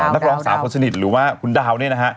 นักร้องสาวคนสนิทหรือว่าคุณดาวเนี่ยนะฮะ